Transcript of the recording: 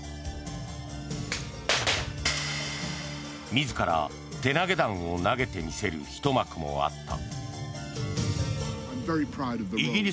自ら手投げ弾を投げてみせるひと幕もあった。